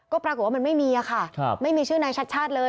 ก็ปรากฏว่ามันไม่มีค่ะไม่มีชื่อนายชัดชาติเลย